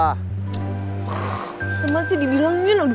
lu seman sih dibilangin